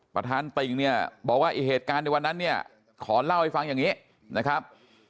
ประธานติ่งบอกว่าเหตุการณ์ในวันนั้นขอเล่าให้ฟังอย่างนี้นะครับ